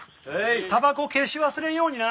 タバコ消し忘れんようにな。